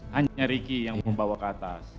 hanya ricky yang membawa ke atas